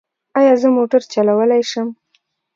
ایا زه موټر چلولی شم؟